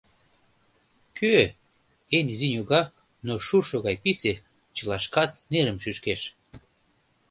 Кӧ? — эн изи ньога, но шуршо гай писе, чылашкат нерым шӱшкеш.